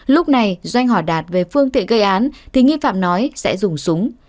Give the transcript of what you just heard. lúc này doanh hỏi đạt về phương tiện gây án thì nghi phạm nói sẽ dùng súng